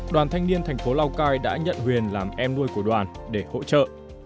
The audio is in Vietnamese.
đoàn thanh niên tp lào cai đã nhận huyền làm em nuôi của đoàn để hỗ trợ